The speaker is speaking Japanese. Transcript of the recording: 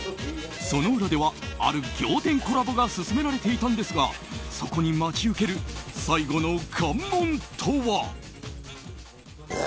その裏では、ある仰天コラボが進められていたんですがそこに待ち受ける最後の関門とは。